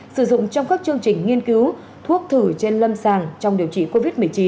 sử dụng trong các chương trình nghiên cứu thuốc thử trên lâm sàng trong điều trị covid một mươi chín